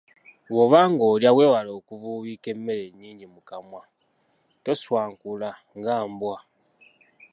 Bw’oba ng’olya weewale okuvuubiika emmere ennyingi mu kamwa, tonswankula nga mbwa.